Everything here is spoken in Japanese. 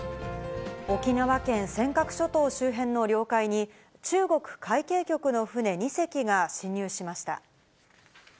沖縄県尖閣諸島周辺の領海に、中国海警局の船２隻が侵入しました。